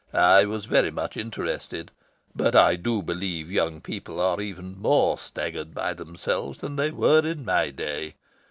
"I was very much interested. But I do believe young people are even more staggered by themselves than they were in my day.